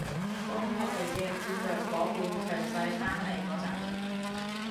當我哋嘅戰略夥伴強勢返嚟嗰陣